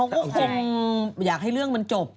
ก็คงอยากให้เรื่องมันจบ